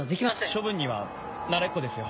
処分には慣れっこですよ。